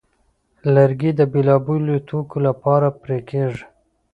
لرګی د بېلابېلو توکو لپاره پرې کېږي.